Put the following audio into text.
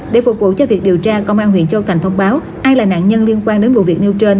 để phục vụ cho việc điều tra công an huyện châu thành thông báo ai là nạn nhân liên quan đến vụ việc nêu trên